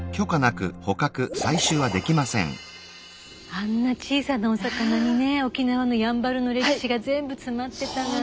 あんな小さなお魚にね沖縄のやんばるの歴史が全部詰まってたなんて。